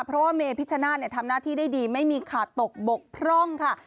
เพราะว่าเมพิชชนาธิ์ทำหน้าที่ได้ดีไม่มีขาดตกบกพร่องค่ะ